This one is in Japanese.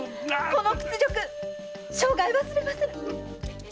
この屈辱生涯忘れませぬ！